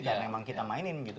karena emang kita mainin gitu